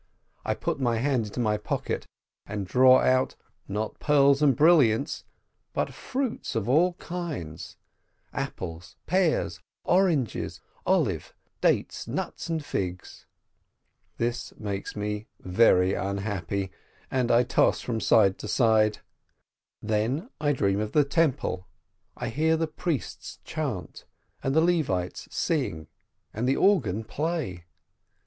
I put my hand into my pocket, and draw out — not pearls and brilliants, but fruits of all kinds — apples, pears, oranges, olives, dates, nuts, and figs. This makes me very unhappy, and I toss from side to side. Then I dream of the temple, I hear the priests chant, and the Levites sing, and the organ play.